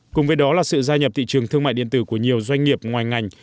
cùng với đó là sự gia nhập thị trường thương mại điện tử của nhiều doanh nghiệp ngoài ngành